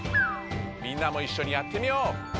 みんなもいっしょにやってみよう！